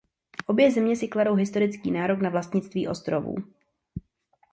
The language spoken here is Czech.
Obě země si kladou historický nárok na vlastnictví ostrovů.